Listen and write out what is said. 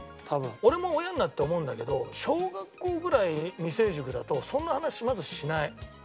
俺も親になって思うんだけど小学校ぐらい未成熟だとそんな話まずしない。